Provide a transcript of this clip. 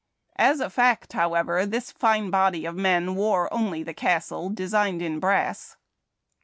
As a fact, however, this fine body of men wore only the castle designed in brass.